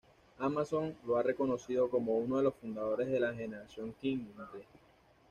Amazon lo ha reconocido como uno de los fundadores de la Generación Kindle.